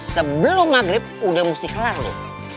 sebelum maghrib udah mesti kelar loh